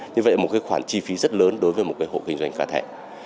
như vậy là một cái khoản chi phí rất lớn đối với một cái hộ kinh doanh cá thể